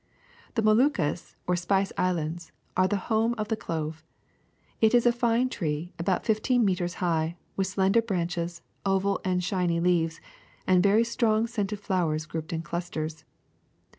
^^The Moluccas, or Spice Islands, are the home of the clove. It is a fine tree, about fifteen meters high, with slender branches, oval and shiny leaves, and very strong scented flowers grouped in clusters.